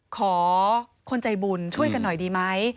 ขอคนใจบุญช่วยกันหน่อยดีไหม